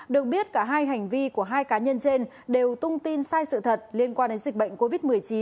được biết cả hai hành vi của hai cá nhân trên đều tung tin sai sự thật liên quan đến dịch bệnh covid một mươi chín